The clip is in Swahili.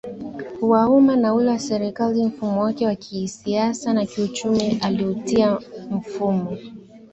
wa umma na ule wa serikali Mfumo wake wa kisiasa na kiuchumi aliuita mfumo